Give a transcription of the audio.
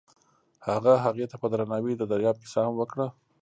هغه هغې ته په درناوي د دریاب کیسه هم وکړه.